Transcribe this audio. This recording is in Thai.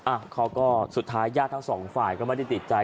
เขาก็สุดท้ายญาติทั้งสองฝ่ายก็ไม่ได้ติดใจ